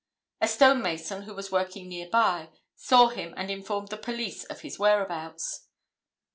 A stonemason, who was working near by, saw him and informed the police of his whereabouts.